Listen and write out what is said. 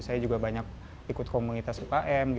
saya juga banyak ikut komunitas ukm